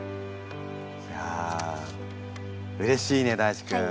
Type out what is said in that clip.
いやうれしいね大馳くん。